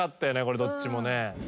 これどっちもね。